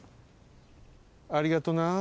ありがとな。